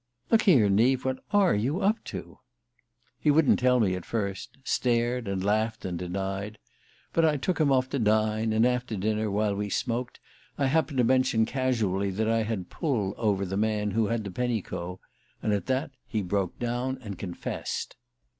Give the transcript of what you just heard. "Look here, Neave, what are you up to?" He wouldn't tell me at first: stared and laughed and denied. But I took him off to dine, and after dinner, while we smoked, I happened to mention casually that I had a pull over the man who had the Penicaud and at that he broke down and confessed.